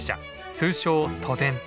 通称都電。